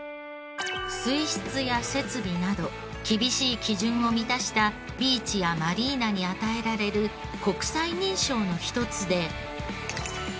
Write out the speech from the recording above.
水質や設備など厳しい基準を満たしたビーチやマリーナに与えられる国際認証の一つで。